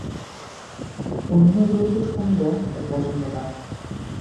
অন্য জন্তুর সঙ্গ তার পছন্দ না।